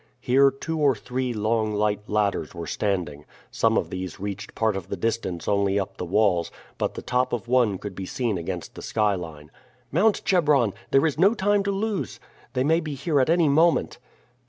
Here two or three long light ladders were standing. Some of these reached part of the distance only up the walls, but the top of one could be seen against the skyline. "Mount, Chebron! There is no time to loose. They may be here at any moment."